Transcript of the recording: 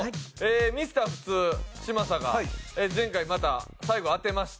Ｍｒ．普通嶋佐が前回また最後当てまして。